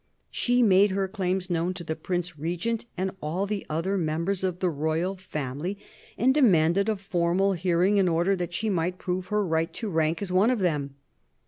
She made her claims known to the Prince Regent and all the other members of the royal family, and demanded a formal hearing in order that she might prove her right to rank as one of them.